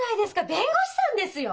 弁護士さんですよ！